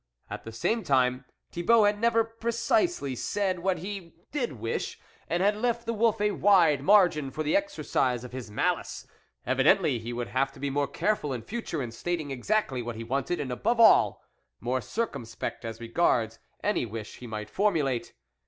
At the same time, Thibault had never precisely said what he did wish, and had left the wolf a wide mar gin for the exercise of his malice; evidently he would have to be more care ful in future in stating exactly what he wanted, and above all, more circumspect as regards any wish he might formulate.